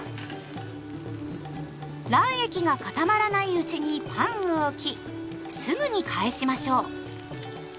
卵液が固まらないうちにパンを置きすぐに返しましょう。